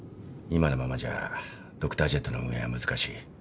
今のままじゃドクタージェットの運営は難しい。